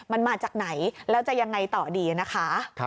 มันมาจากไหนแล้วจะยังไงต่อดีนะคะ